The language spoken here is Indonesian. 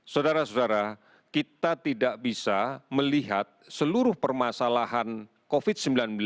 saudara saudara kita tidak bisa melihat seluruh permasalahan covid sembilan belas